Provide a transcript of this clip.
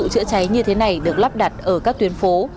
chữa cháy như thế này được lắp đặt ở các tuyến phố